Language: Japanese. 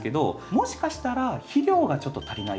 もしかしたら肥料がちょっと足りないかもしれない。